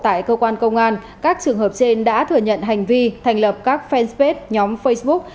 tại cơ quan công an các trường hợp trên đã thừa nhận hành vi thành lập các fanpage nhóm facebook